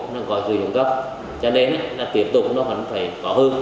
nên có sử dụng gấp cho nên là tiếp tục nó vẫn phải có hư